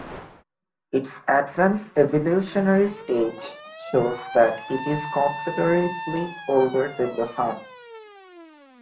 Its advanced evolutionary stage shows that it is considerably older than the Sun.